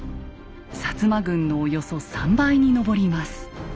摩軍のおよそ３倍に上ります。